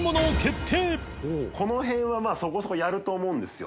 この辺はまぁそこそこやると思うんですよ。